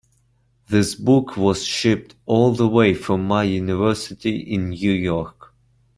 This book was shipped all the way from my university in New York.